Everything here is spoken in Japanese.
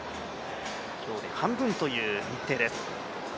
今日で半分という日程です。